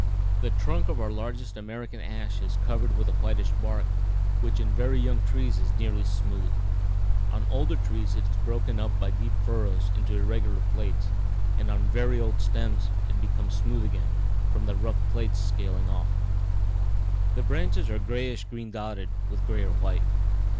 'The trunk of our largest American ash is covered with a whitish bark which in very young trees is nearly smooth; on older trees it is broken by deep furrows into irregular plates, and on very old stems it becomes smooth again, from the rough plates scaling off. The branches are grayish green dotted with gray or white.'